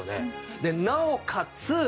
でなおかつ